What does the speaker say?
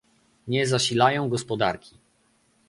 nie zasilają gospodarki